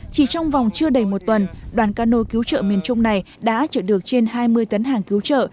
chỉ trong vòng chưa đầy một tuần đoàn cano cứu trợ miền trung này đã chở được trên hai mươi tấn hàng cứu trợ